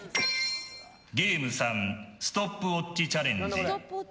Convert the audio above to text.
ゲーム３ストップウォッチチャレンジ。